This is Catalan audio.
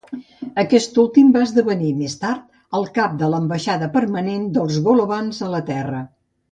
Aquest últim va esdevenir més tard el cap de l'ambaixada permanent dels golovans a la Terra.